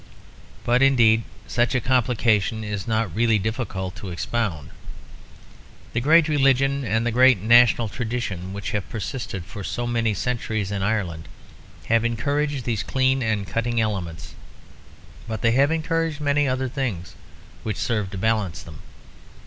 But, indeed, such a complication is not really difficult to expound. The great religion and the great national tradition which have persisted for so many centuries in Ireland have encouraged these clean and cutting elements; but they have encouraged many other things which serve to balance them.